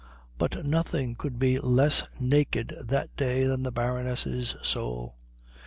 But nothing could be less naked that day than the Baroness's soul.